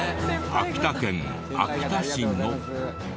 秋田県秋田市の。